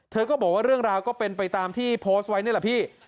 เธอก็บอกว่าเรื่องราวก็เป็นไปตามที่โพสต์ไว้นี่แหละพี่